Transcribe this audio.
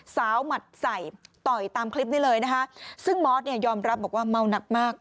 หมัดใส่ต่อยตามคลิปนี้เลยนะคะซึ่งมอสเนี่ยยอมรับบอกว่าเมาหนักมาก